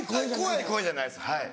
怖い声じゃないですはい。